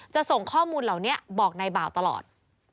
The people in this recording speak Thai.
ส่งข้อมูลเหล่านี้บอกนายบ่าวตลอด